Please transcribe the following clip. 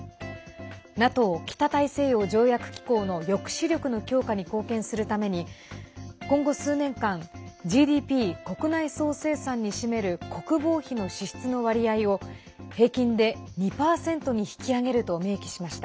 ＮＡＴＯ＝北大西洋条約機構の抑止力の強化に貢献するために今後、数年間ＧＤＰ＝国内総生産に占める国防費の支出の割合を平均で２％に引き上げると明記しました。